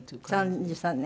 ３３年？